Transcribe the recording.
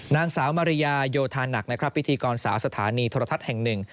นางสาวมาริยาโยธานักนะครับพิธีกรสาวสถานีโทรทัศน์แห่งหนึ่ง